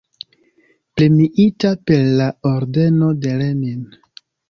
Premiita per la ordeno de Lenin.